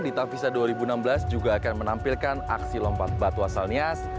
di tavisa dua ribu enam belas juga akan menampilkan aksi lompat batu asal nias